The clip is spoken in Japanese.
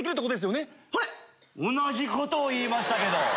同じことを言いましたけど。